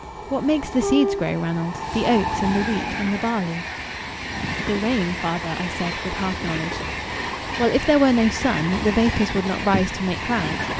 "What makes the seeds grow, Ranald the oats, and the wheat, and the barley?" "The rain, father," I said, with half knowledge. "Well, if there were no sun, the vapours would not rise to make clouds.